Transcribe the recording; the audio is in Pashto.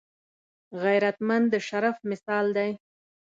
غیرتمند د شرف مثال دی